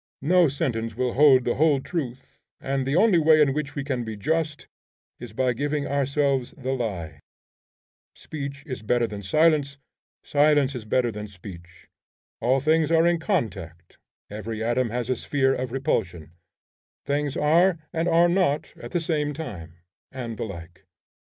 No sentence will hold the whole truth, and the only way in which we can be just, is by giving ourselves the lie; Speech is better than silence; silence is better than speech; All things are in contact; every atom has a sphere of repulsion; Things are, and are not, at the same time; and the like.